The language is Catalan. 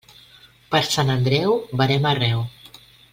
Per Sant Andreu, verema arreu.